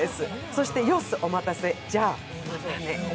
そして「よっす、おまたせ、じゃあまたね」。